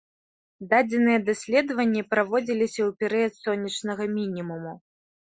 Дадзеныя даследаванні праводзіліся ў перыяд сонечнага мінімуму.